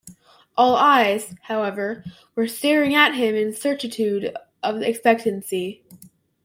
All eyes, however, were staring at him in certitude of expectancy.